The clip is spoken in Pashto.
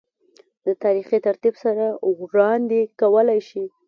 دَ تاريخي ترتيب سره وړاند ې کولے شي